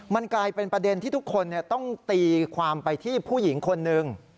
มันกลายเป็นประเด็นที่ทุกคนต้องตีความไปที่ผู้หญิงคนหนึ่ง